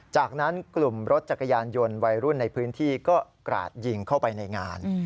จากนั้นกลุ่มรถจักรยานยนต์วัยรุ่นในพื้นที่ก็กราดยิงเข้าไปในงาน